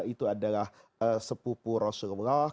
itu adalah sepupu rasulullah